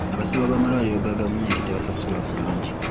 Abasawo b'amalwaliro ga gavumenti tebasasulwa bulungi.